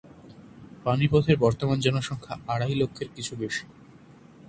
পানিপথের বর্তমান জনসংখ্যা আড়াই লক্ষের কিছু বেশি।